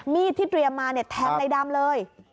มีดที่เตรียมมาแทงในดำเลย